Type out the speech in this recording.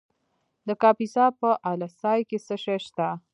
د کاپیسا په اله سای کې څه شی شته؟